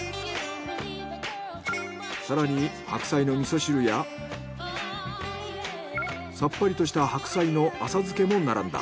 更に白菜の味噌汁やさっぱりとした白菜の浅漬けも並んだ。